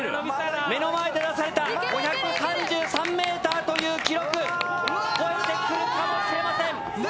目の前で出された５３３ｍという記録超えてくるかもしれません。